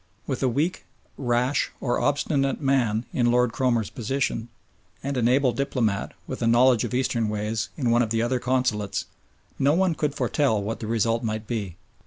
With a weak, rash, or obstinate man in Lord Cromer's position, and an able diplomat, with a knowledge of Eastern ways, in one of the other consulates, no one could foretell what the result might be.